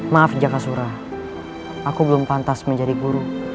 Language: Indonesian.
maaf jakasura aku belum pantas menjadi guru